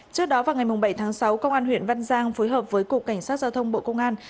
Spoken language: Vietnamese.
trước đó vào ngày bảy tháng sáu công an huyện văn giang phối hợp với cục cảnh sát giao thông bộ công an